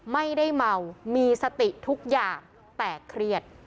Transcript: ไม่ได้เมามีสติทุกอย่างแต่เครียด